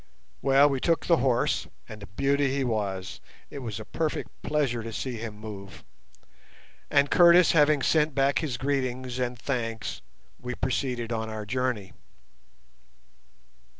Well, we took the horse, and a beauty he was, it was a perfect pleasure to see him move, and Curtis having sent back his greetings and thanks, we proceeded on our journey.